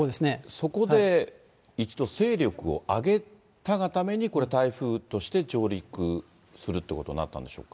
そこで一度勢力を上げたがためにこれ、台風として上陸するということになったんでしょうか。